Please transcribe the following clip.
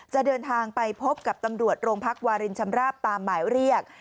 เดินทางไปพบกับตำรวจโรงพักวารินชำราบตามหมายเรียก